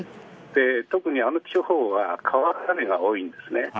特にあの地方は瓦の屋根が多いんですね。